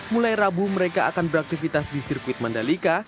mulai rabu mereka akan beraktivitas di sirkuit mandalika